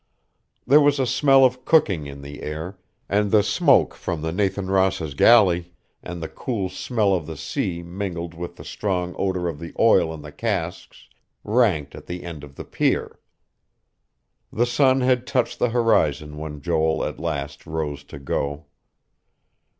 There was a smell of cooking in the air, and the smoke from the Nathan Ross' galley, and the cool smell of the sea mingled with the strong odor of the oil in the casks ranked at the end of the pier. The sun had touched the horizon when Joel at last rose to go.